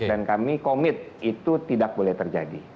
dan kami komit itu tidak boleh terjadi